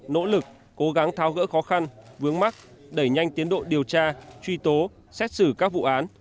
nỗ lực cố gắng tháo gỡ khó khăn vướng mắt đẩy nhanh tiến độ điều tra truy tố xét xử các vụ án